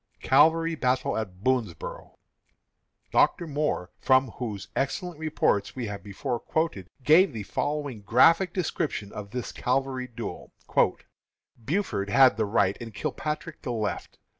CAVALRY BATTLE AT BOONSBORO'. Dr. Moore, from whose excellent reports we have before quoted, gives the following graphic description of this cavalry duel: "Buford had the right and Kilpatrick the left.